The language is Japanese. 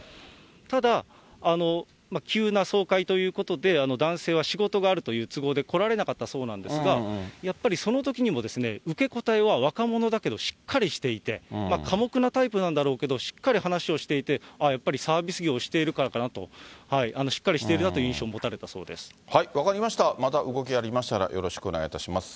ただ、急な総会ということで、男性は仕事があるという都合で来られなかったそうなんですが、やっぱりそのときにも、受け答えは若者だけど、しっかりしていて、寡黙なタイプなんだろうけど、しっかり話をしていて、ああ、やっぱりサービス業をしているからかなと、しっかりしているなと分かりました、また動きありましたら、よろしくお願いいたします。